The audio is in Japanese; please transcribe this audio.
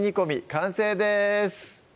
完成です